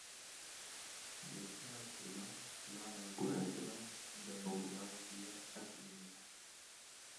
Girtina Kurdan plana guhertina demografiya Efrînê ye.